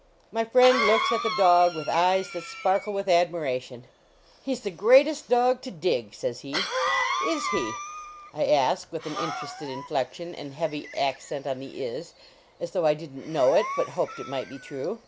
My friend looks at the dog with eyes that sparkle with admiration. " He s the greatest dog to dig," says he. " Is he?" I ask with an interested inflec tion and heavy accent on the "is," as though I didn t know it, but hoped it might be tnu